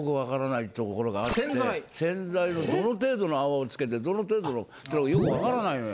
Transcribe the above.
洗剤をどの程度の泡をつけてどの程度のっていうのがよく分からないのよ。